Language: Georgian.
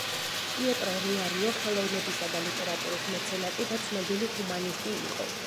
პიეტრო რიარიო ხელოვნებისა და ლიტერატურის მეცენატი და ცნობილი ჰუმანისტი იყო.